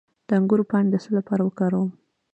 د انګور پاڼې د څه لپاره وکاروم؟